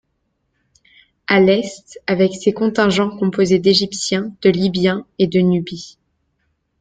À l'est, avec ses contingents composés d’Égyptiens, de Libyens et de Nubie.